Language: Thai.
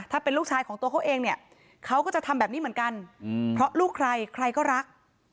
ถ้าเป็นลูกชายของตัวเขาเองเนี่ยเขาก็จะทำแบบนี้เหมือนกันเพราะลูกใครใครก็รัก